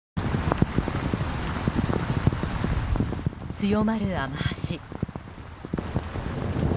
強まる雨脚。